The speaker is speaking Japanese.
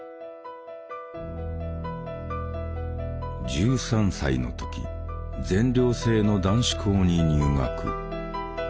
１３歳の時全寮制の男子校に入学。